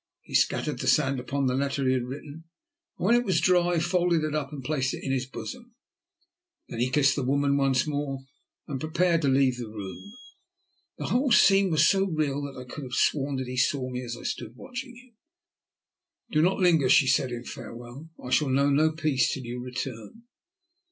He scattered the sand upon the letter he had written, and when it was dry, folded it up and placed it in his bosom. Then he kissed the woman once more and prepared to leave the room. The whole scene was so real that I could have sworn that he saw me as I stood watching him. "Do not linger," she said in farewell. "I shall know no peace till you return."